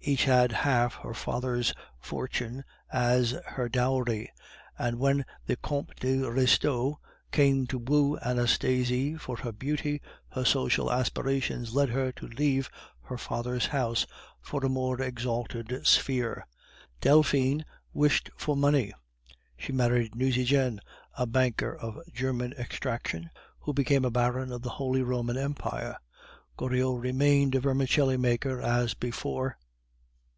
Each had half her father's fortune as her dowry; and when the Comte de Restaud came to woo Anastasie for her beauty, her social aspirations led her to leave her father's house for a more exalted sphere. Delphine wished for money; she married Nucingen, a banker of German extraction, who became a Baron of the Holy Roman Empire. Goriot remained a vermicelli maker as before.